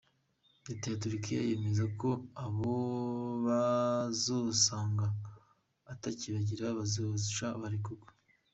Reta ya Turkia yemeza ko abo bazosanga atakibagira bazoca barekurwa.